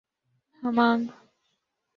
ہمانگ